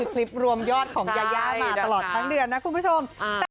คลิปรวมยอดของยายามาตลอดทั้งเดือนนะคุณผู้ชม